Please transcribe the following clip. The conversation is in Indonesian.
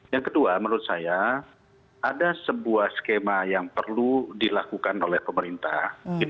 yang kedua menurut saya ada sebuah skema yang perlu dilakukan oleh pemerintah